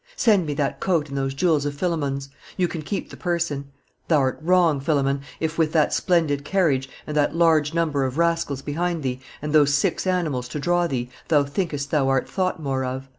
Send me that coat and those jewels of Philemon's; you can keep the person. Thou'rt wrong, Philemon, if, with that splendid carriage, and that large number of rascals behind thee, and those six animals to draw thee, thou thiukest thou art thought more of.